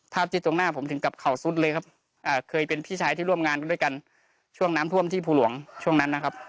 ที่ตรงหน้าผมถึงกับเขาสุดเลยครับเคยเป็นพี่ชายที่ร่วมงานด้วยกันช่วงน้ำท่วมที่ภูหลวงช่วงนั้นนะครับ